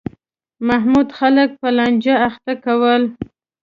محمود خلک په لانجه اخته کول.